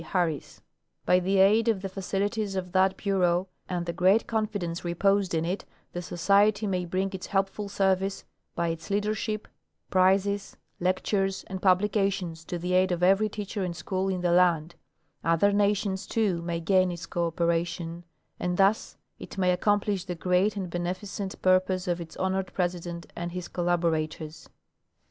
Harris. By the aid of the facilities of that Bureau and the great confi dence reposed in it, the Society may bring its helpful service, by its leadership, prizes, lectures and publications, to the aid of CA^ery teacher and school in the land ; other nations, too, may gain its cooperation ; and thus it may accomplish the great and beneficent purpose of its honored president and his collaborators.